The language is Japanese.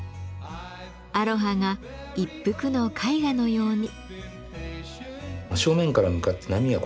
アロハが一幅の絵画のように。